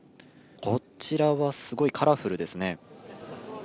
こちらはすごいカラフルですね。